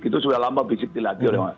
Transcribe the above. itu sudah lama bisa dilatih